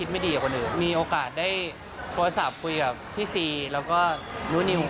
มีโอกาสได้โทรศัพท์คุยกับพี่ซีแล้วก็นู้นิว